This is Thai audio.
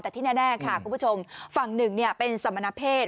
แต่ที่แน่ค่ะคุณผู้ชมฝั่งหนึ่งเป็นสมณเพศ